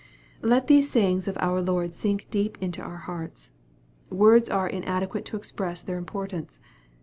Let these sayings of our Lord sink deep into our hearts. Words are inadequate to express their importance.